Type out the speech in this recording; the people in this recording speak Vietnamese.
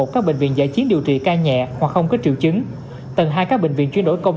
các bệnh viện giải chiến điều trị ca nhẹ hoặc không có triệu chứng tầng hai các bệnh viện chuyển đổi công